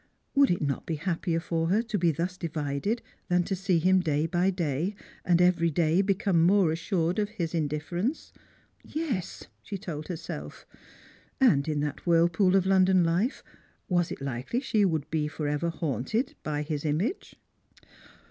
Would it not be happier for her to be thus divided than to see him day by day, and every day become more assured of his in difference ? Yes, she told herself. And in that whirlpool of London life was it likely she would be for ever haunted by his image